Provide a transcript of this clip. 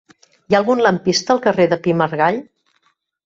Hi ha algun lampista al carrer de Pi i Margall?